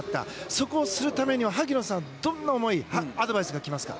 そこをするためには、萩野さんどんな思いアドバイスが来ますか？